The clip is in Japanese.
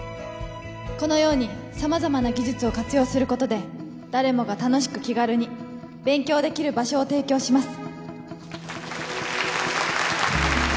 このようにさまざまな技術を活用することで誰もが楽しく気軽に勉強できる場所を提供します